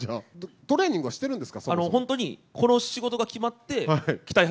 トレーニングしてるんですか？